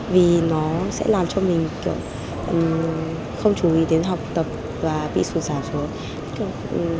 vì nó sẽ làm cho mình không chú ý đến học tập và bị xuất sản xuống